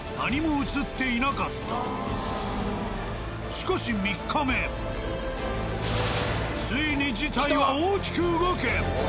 しかしついに事態は大きく動く。